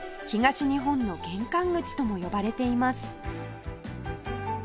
「東日本の玄関口」とも呼ばれています